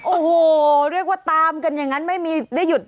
โอ้โหเรียกว่าตามกันอย่างนั้นไม่มีได้หยุด